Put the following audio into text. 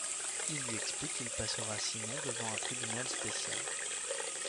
Il lui explique qu'il passera sinon devant un tribunal spécial.